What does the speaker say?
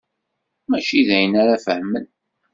Mačči d ayen ara fehmen.